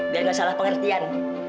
biar gak salah pengertian